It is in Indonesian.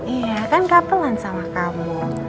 iya kan kapelan sama kamu